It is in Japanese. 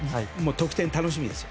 得点が楽しみです。